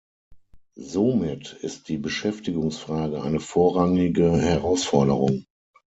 Somit ist die Beschäftigungsfrage eine vorrangige Herausforderung.